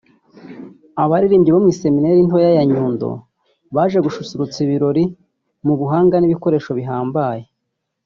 Abaririmbyi bo mu iseminari nto ya Nyundo baje gususurutsa ibirori mu buhanga n’ibikoresho bihambaye